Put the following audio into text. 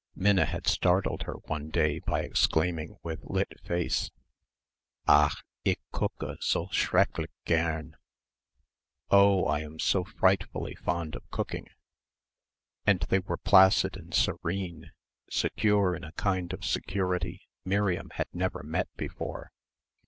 Minna had startled her one day by exclaiming with lit face, "Ach, ich koche so schrecklich gern!" ... Oh, I am so frightfully fond of cooking.... And they were placid and serene, secure in a kind of security Miriam had never met before.